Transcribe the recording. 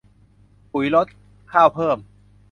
ปุ๋ยลด ข้าวเพิ่ม